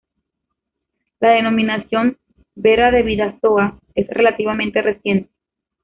La denominación "Vera de Bidasoa" es relativamente reciente.